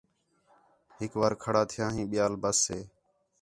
ہِک وار کھڑا تِھیا ہیں ٻِیال ٻس ہِے